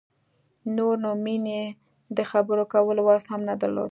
نور نو مينې د خبرو کولو وس هم نه درلود.